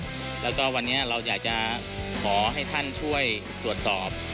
แล้วก็วันนี้เราอยากจะขอให้ท่านช่วยตรวจสอบ